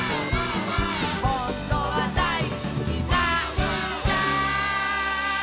「ほんとはだいすきなんだ」